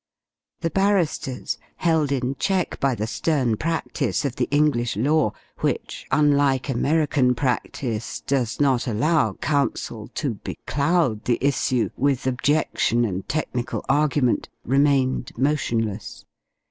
The barristers, held in check by the stern practice of the English law, which, unlike American practice does not allow counsel to becloud the issue with objection and technical argument, remained motionless.